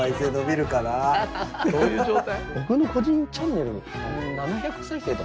どういう状態？